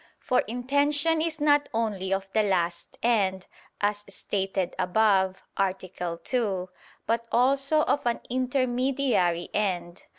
For intention is not only of the last end, as stated above (A. 2), but also of an intermediary end.